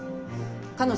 彼女